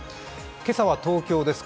今朝は東京です。